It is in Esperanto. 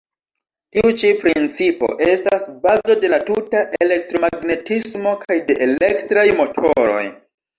Tiu ĉi principo estas bazo de la tuta elektromagnetismo kaj de elektraj motoroj.